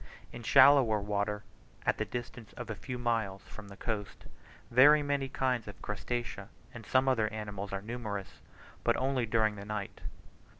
In shoaler water, at the distance of a few miles from the coast, very many kinds of crustacea and some other animals are numerous, but only during the night.